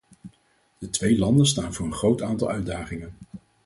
De twee landen staan voor een groot aantal uitdagingen.